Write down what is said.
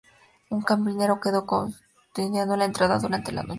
Un carabinero quedó custodiando la entrada durante la noche.